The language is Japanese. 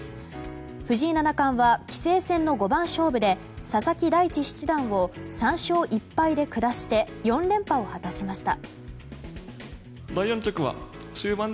藤井七冠は棋聖戦の五番勝負で佐々木大地七段を３勝１敗で下して４連覇を果たしました。